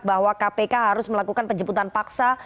bahwa kpk harus melakukan penjemputan paksa